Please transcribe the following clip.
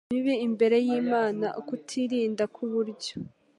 mibi imbere y’Imana. Ukutirinda k’uburyo